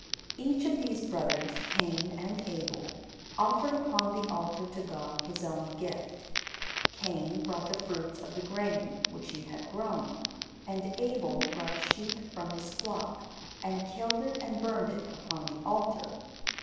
Each of these brothers, Cain and Abel, offered upon the altar to God his own gift. Cain brought the fruits and the grain which he had grown; and Abel brought a sheep from his flock, and killed it and burned it upon the altar.